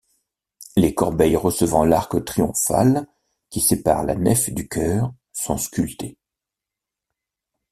Les corbeilles recevant l'arc triomphal qui sépare la nef du chœur, sont sculptées.